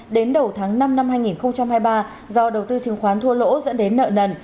đến đầu tháng năm năm hai nghìn hai mươi ba do đầu tư chứng khoán thua lỗ dẫn đến nợ nần